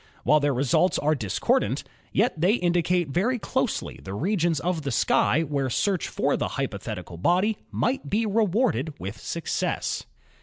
While their results are discordant, yet they indi cate very closely the regions of the sky where search for the hypothetical body might be rewarded with success.